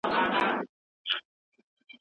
په ټاکلي موضوع ښه باوري کيدلای شو.